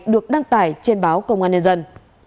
được đăng tải trên báo công an nhân dân